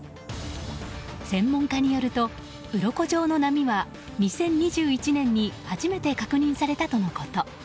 専門家によると、うろこ状の波は２０２１年に初めて確認されたとのこと。